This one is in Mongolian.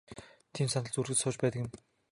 Тийм сандалд үргэлж сууж байдаг юм.